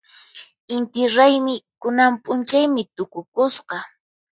Inti raymi kunan p'unchaymi tukukusqa.